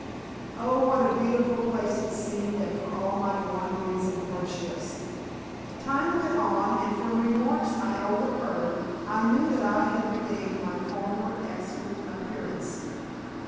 Oh, what a beautiful place it seemed after all my wanderings and hardships. Time went on and from remarks I overheard, I knew that I had regained my former excellent appearance.